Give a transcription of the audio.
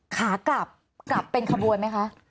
ขากลับเป็นขบวนไหมคะ